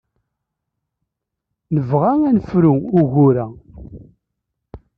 Nebɣa ad nefru ugur-a.